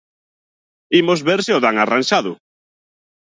Imos ver se o dan arranxado.